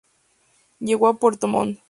Llegó a Puerto Montt.